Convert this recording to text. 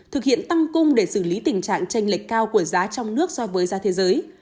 thực hiện tăng cung để xử lý tình trạng tranh lệch cao của giá trong nước so với giá thế giới